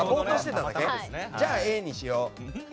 じゃあ、Ａにしよう。